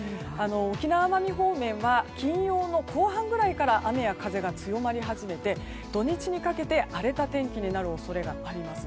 沖縄、奄美方面は金曜の後半くらいから雨や風が強まり始めて土日にかけて荒れた天気になる恐れがあります。